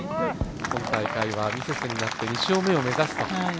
今大会はミセスになって２勝目を目指すと。